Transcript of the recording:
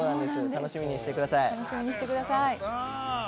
楽しみにしていてください。